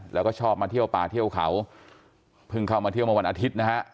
แล้วก็ชอบมาเที่ยวป่าเที่ยวเขาเพิ่งเข้ามาเที่ยวมาวันอาทิตย์นะฮะ